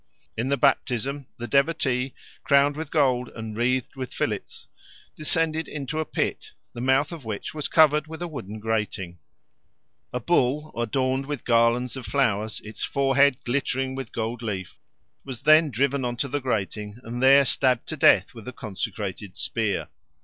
In the baptism the devotee, crowned with gold and wreathed with fillets, descended into a pit, the mouth of which was covered with a wooden grating. A bull, adorned with garlands of flowers, its forehead glittering with gold leaf, was then driven on to the grating and there stabbed to death with a consecrated spear.